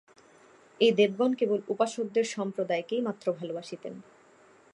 এই দেবগণ কেবল উপাসকদের সম্প্রদায়কেই মাত্র ভালবাসিতেন।